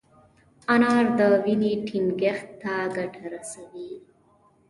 انار د وینې ټينګښت ته ګټه رسوي.